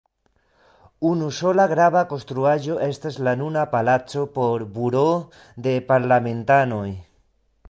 Unusola grava konstruaĵo estas la nuna palaco por buroo de parlamentanoj.